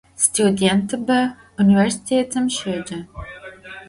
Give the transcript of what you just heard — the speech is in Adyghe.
Studêntıbe vuniversitetım şêce.